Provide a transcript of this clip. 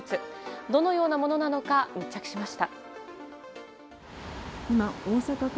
どのようなものなのか密着しました。